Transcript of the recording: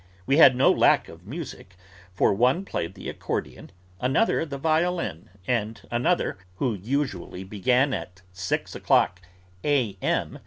We had no lack of music, for one played the accordion, another the violin, and another (who usually began at six o'clock A.M.)